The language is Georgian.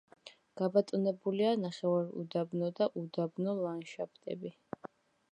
გაბატონებულია ნახევარუდაბნო და უდაბნო ლანდშაფტები.